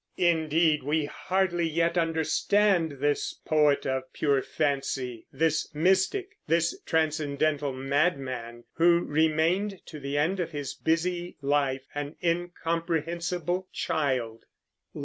Indeed, we hardly yet understand this poet of pure fancy, this mystic this transcendental madman, who remained to the end of his busy life an incomprehensible child.